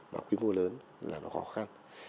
và quy mô lớn là nó khó khăn